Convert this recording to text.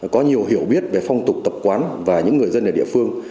có nhiều hiểu biết về phong tục tập quán và những người dân ở địa phương